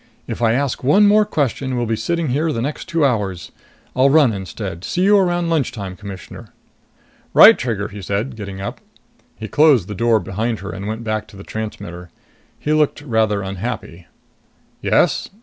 "If I ask one more question, we'll be sitting here the next two hours. I'll run instead! See you around lunchtime, Commissioner!" "Right, Trigger," he said, getting up. He closed the door behind her and went back to the transmitter. He looked rather unhappy. "Yes?"